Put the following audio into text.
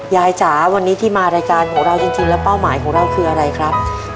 จ๋าวันนี้ที่มารายการของเราจริงแล้วเป้าหมายของเราคืออะไรครับ